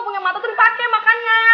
punya mata tuh dipake makanya